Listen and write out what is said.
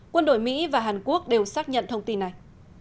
quân đội mỹ và hàn quốc đều xác nhận thông tin này